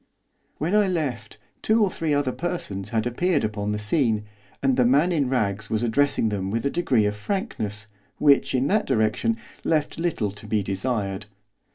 When I left two or three other persons had appeared upon the scene, and the man in rags was addressing them with a degree of frankness, which, in that direction, left little to be desired.